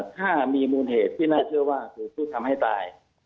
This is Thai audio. ถ้ามีมูลเหตุที่น่าเชื่อว่าถูกผู้ทำให้ตาย